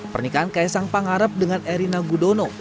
pernikahan ksh pangarap dengan erina gudono